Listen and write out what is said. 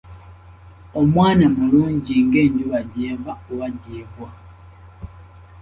Omwana mulungi ng'enjuba gy'eva oba gy'egwa.